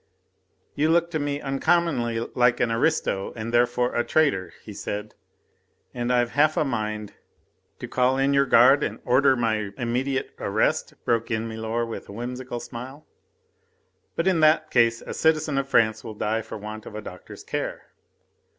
"You look to me uncommonly like an aristo, and therefore a traitor," he said, "and I've half a mind " "To call your guard and order my immediate arrest," broke in milor with a whimsical smile, "but in that case a citizen of France will die for want of a doctor's care.